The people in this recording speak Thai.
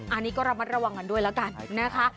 อันนี้ก็ระมัดระวังกันด้วยแล้วกันนะคะ